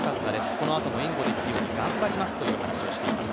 このあとも援護できるように頑張りますという話をしています。